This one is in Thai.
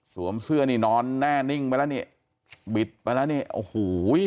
เสื้อนี่นอนแน่นิ่งไปแล้วนี่บิดไปแล้วนี่โอ้โห